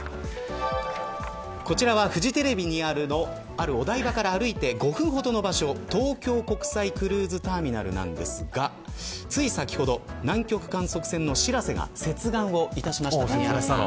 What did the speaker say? こちらはフジテレビにあるお台場から歩いて５分ほどの場所東京国際クルーズターミナルなんですがつい先ほど南極観測船のしらせが接岸をしました。